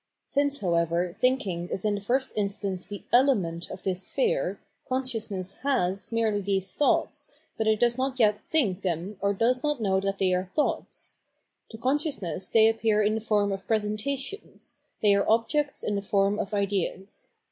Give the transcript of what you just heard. Since, however, thinMng is in the first instance the element of this sphere, consciousness has merely these thoughts, but it does not as yet thinh them or does not Miow that they are thoughts : to consciousness they appear in the form of presentations, they are objects in the form of ideas.